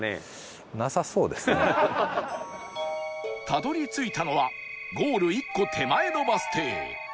たどり着いたのはゴール１個手前のバス停